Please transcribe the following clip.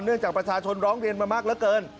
เนื่องจากประชาชนร้องเรียนมามากและเกิน